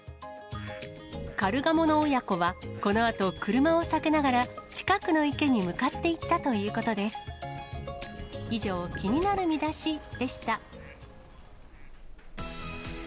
カルガモの親子は、このあと車を避けながら、近くの池に向かっていったということです。